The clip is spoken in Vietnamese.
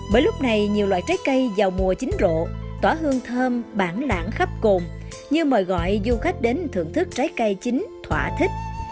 bởi lúc này nhiều loại trái cây vào mùa chín rộ tỏa hương thơm bản lãng khắp cồn như mời gọi du khách đến thưởng thức trái cây chín thỏa thích